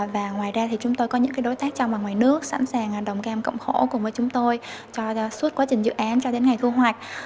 và ngoài ra thì chúng tôi có những đối tác trong và ngoài nước sẵn sàng đồng cam cộng khổ cùng với chúng tôi cho suốt quá trình dự án cho đến ngày thu hoạch